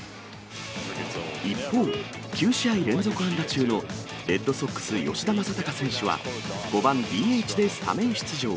一方、９試合連続安打中のレッドソックス、吉田正尚選手は５番ＤＨでスタメン出場。